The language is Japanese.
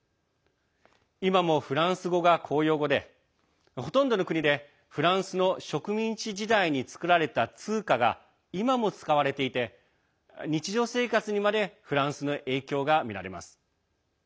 今もフランス語が公用語でほとんどの国でフランスの植民地時代に作られた通貨が今も使われていて日常生活にまでフランスの影響がみられます。